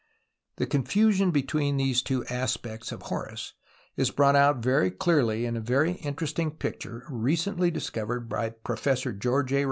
The confusion between these two aspects of Horus is brought out very clearly GETTING TO HEAVEN 115 in a very interesting picture recently discovered by Professor George A.